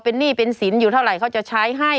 หนี้เป็นสินอยู่เท่าไหร่เขาจะใช้ให้